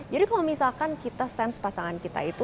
jadi kalau misalkan kita sense pasangan kita itu